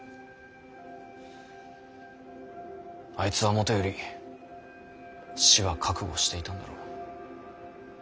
あいつはもとより死は覚悟していたんだろう。